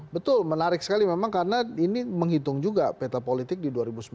betul menarik sekali memang karena ini menghitung juga peta politik di dua ribu sembilan belas